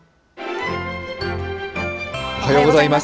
おはようございます。